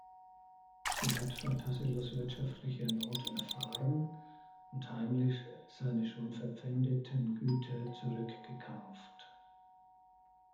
Sie hat von Tassilos wirtschaftlicher Not erfahren und heimlich seine schon verpfändeten Güter zurückgekauft.